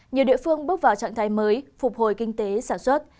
nhiều địa phương bước vào trạng thái mới phục hồi kinh tế sản xuất